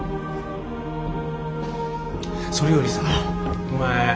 それよりさお前